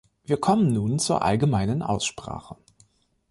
Wir kommen nun zur allgemeinen Aussprache.